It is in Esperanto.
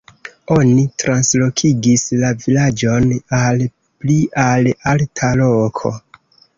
Oni translokigis la vilaĝon al pli al alta loko.